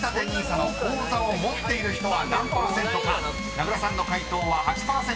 ［名倉さんの解答は８％。